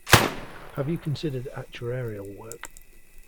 Have you considered actuarial work?